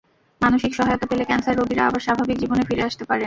মানসিক সহায়তা পেলে ক্যানসার রোগীরা আবার স্বাভাবিক জীবনে ফিরে আসতে পারেন।